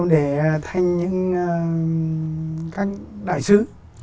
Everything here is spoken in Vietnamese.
để thành những các đại sứ